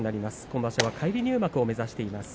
今場所は返り入幕を目指しています。